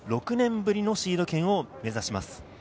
６年ぶりのシード権を目指します。